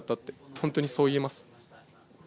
本当にそう言えます。